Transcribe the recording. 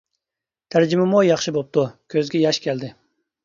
تەرجىمىمۇ ياخشى بوپتۇ، كۆزگە ياش كەلدى.